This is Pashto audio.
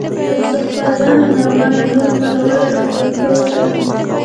ترڅو خپل ځان او ناروغان له نورو ناروغیو له اخته کېدو وساتي